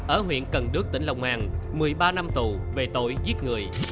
ở huyện cần đức tỉnh long an một mươi ba năm tù về tội giết người